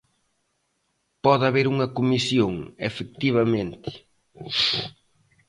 Pode haber unha comisión, efectivamente.